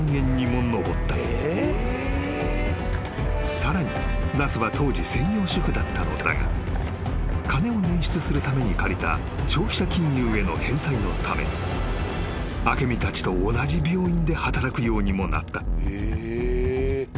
［さらに奈津は当時専業主婦だったのだが金を捻出するために借りた消費者金融への返済のため明美たちと同じ病院で働くようにもなった］